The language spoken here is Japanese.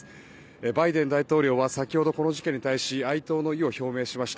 バイデン大統領は先ほど、この事件に対し哀悼の意を表明しました。